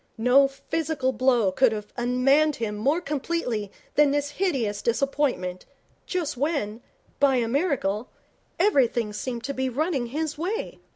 No physical blow could have unmanned him more completely than this hideous disappointment just when, by a miracle, everything seemed to be running his way.